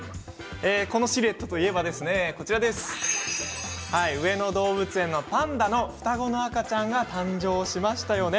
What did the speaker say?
このシルエットといえば上野動物園のパンダの双子の赤ちゃんが誕生しましたよね。